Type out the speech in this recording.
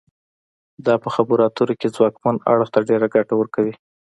دا په خبرو اترو کې ځواکمن اړخ ته ډیره ګټه ورکوي